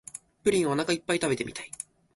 プリンをおなかいっぱい食べてみたい